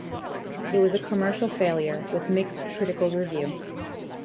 It was a commercial failure, with mixed critical review.